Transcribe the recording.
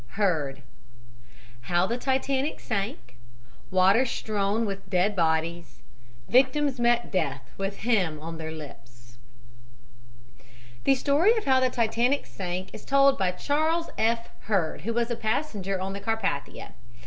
HURD HOW THE TITANIC SANK WATER STREWN WITH DEAD BODIES VICTIMS MET DEATH WITH HYMN ON THEIR LIPS THE Story of how the Titanic sank is told by Charles F. Hurd, who was a passenger on the Carpathia.